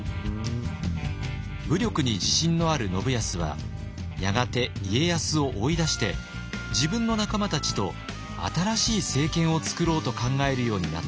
武力に自信のある信康はやがて家康を追い出して自分の仲間たちと新しい政権を作ろうと考えるようになったようです。